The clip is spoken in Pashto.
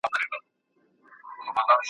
په نصیب چي و انسان ته نېکمرغي سي .